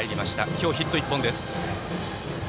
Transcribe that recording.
今日ヒット１本です。